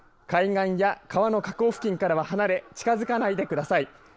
海岸や川の河口付近からは離れ近づかないでください。